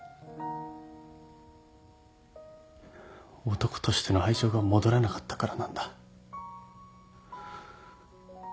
男としての愛情が戻らなかったからなんだ。